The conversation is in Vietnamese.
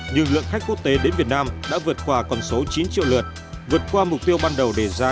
nhưng lượng khách quốc tế đến việt nam đã vượt qua con số chín triệu lượt vượt qua mục tiêu ban đầu đề ra